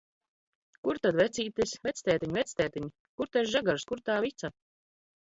Kur tad vecītis? Vectētiņ, vectētiņ! Kur tas žagars, kur tā vica?